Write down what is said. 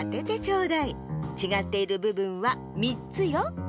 ちがっているぶぶんは３つよ。